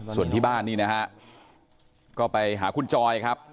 ส่วนที่บ้านนี่นะฮะก็ไปหาคุณจอยครับ